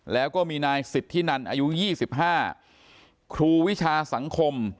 แล้วก็มีนายสิทธินันอายุ๒๕ครูวิชาสังคม